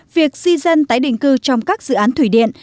việc di dân tái định cư trong các dự án thủy điện